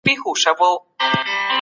په اوستا کي هم د اوهگان کلمه د وهونکي